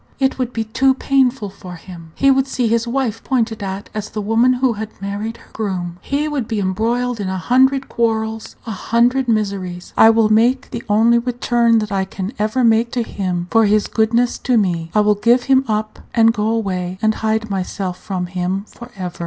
It would be too painful for him. He would see his wife pointed at as the woman who had married her groom. He would be embroiled in a hundred quarrels, a hundred miseries. I will make the only return that I can ever make to him for his goodness to me I will give him up, and go away and hide myself from him for ever."